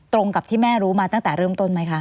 ตรงกับที่แม่รู้มาตั้งแต่เริ่มต้นไหมคะ